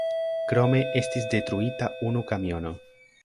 Krome estis detruita unu kamiono.